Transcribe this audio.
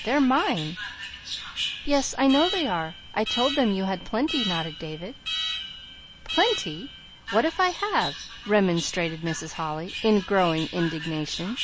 They're mine!" "Yes, I know they are. I told them you had plenty," nodded David. "Plenty! What if I have?" remonstrated Mrs. Holly, in growing indignation.